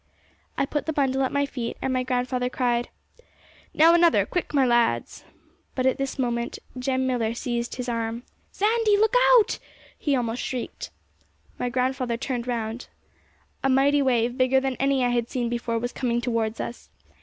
I put the bundle at my feet, and my grandfather cried, 'Now another; quick, my lads!' But at this moment Jem Millar seized his arm. 'Sandy! look out!' he almost shrieked. My grandfather turned round. A mighty wave, bigger than any I had seen before, was coming towards us.